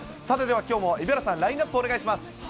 さて、ではきょうも蛯原さん、きょうのラインナップお願いします。